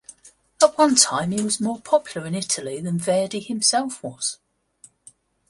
At one time he was more popular in Italy than Verdi himself was.